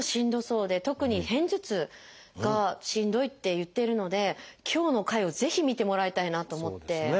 特に片頭痛がしんどいって言っているので今日の回をぜひ見てもらいたいなと思って。